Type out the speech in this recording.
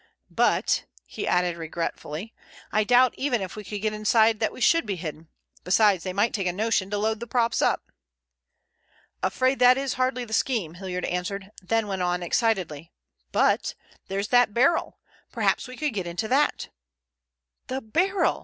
But," he added regretfully, "I doubt even if we could get inside that we should be hidden. Besides, they might take a notion to load the props up." "Afraid that is hardly the scheme," Hilliard answered, then went on excitedly: "But, there's that barrel! Perhaps we could get into that." "The barrel!